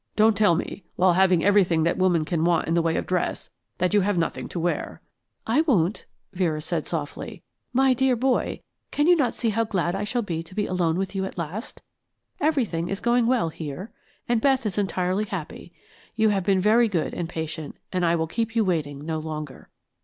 Don't tell me, while having everything that woman can want in the way of dress, that you have nothing to wear." "I won't," Vera said, softly. "My dear boy, cannot you see how glad I shall be to be alone with you at last? Everything is going well here, and Beth is entirely happy. You have been very good and patient, and I will keep you waiting no longer.